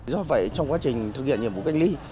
do vậy trong quá trình thực hiện nhiệm vụ cách ly